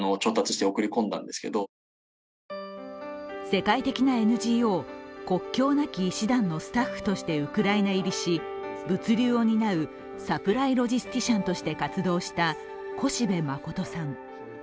世界的なＮＧＯ国境なき医師団のスタッフとしてウクライナ入りし、物流を担うサプライロジスティシャンとして活動した越部真さん。